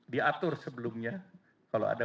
diatur sebelumnya kalau ada